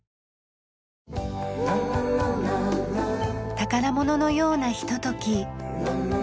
宝物のようなひととき。